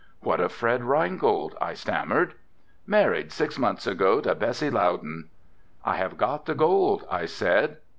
"What of Fred Reingold?" I stammered. "Married six months ago to Bessie Loudon." "I have got the gold," I said.